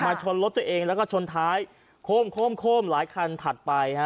ชนรถตัวเองแล้วก็ชนท้ายโค้มโค้มโค้มหลายคันถัดไปฮะ